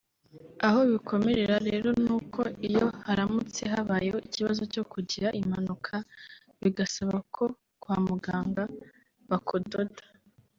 aho bikomerera rero nuko iyo haramutse habayeho ikibazo cyo kugira impanuka bigasaba ko kwa muganga bakudoda